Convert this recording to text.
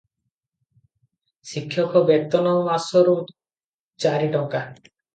ଶିକ୍ଷକ ବେତନ ମାସକୁ ଚାରି ଟଙ୍କା ।